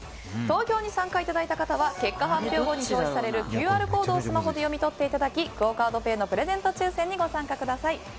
投票に参加いただいた方は結果発表後に表示されるＱＲコードをスマホで読み取っていただきクオ・カードペイのプレゼント抽選にご参加ください。